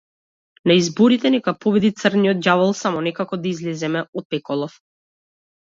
На изборите нека победи црниот ѓавол, само некако да излеземе од пеколов!